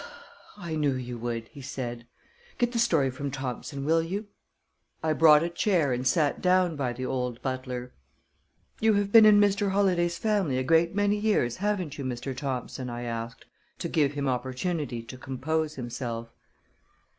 "I knew you would," he said. "Get the story from Thompson, will you?" I brought a chair, and sat down by the old butler. "You have been in Mr. Holladay's family a great many years, haven't you, Mr. Thompson?" I asked, to give him opportunity to compose himself.